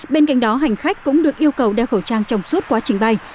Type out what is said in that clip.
bên cạnh đó hành khách cũng được yêu cầu đeo khẩu trang trong suốt quá trình bay